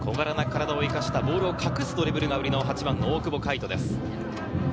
小柄な体を生かしたボールを隠すドリブルが売りの８番の大久保帆人です。